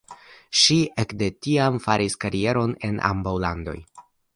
Ŝi ekde tiam faris karieron en ambaŭ landoj.